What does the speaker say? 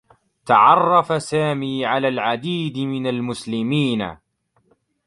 تعرّف سامي على العديد من المسلمين.